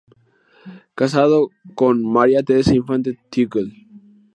Casado con "María Teresa Infante Tagle".